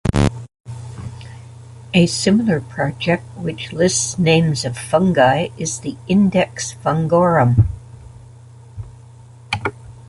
A similar project, which lists names of fungi, is the Index Fungorum.